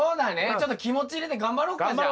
ちょっと気持ち入れて頑張ろっかじゃあ。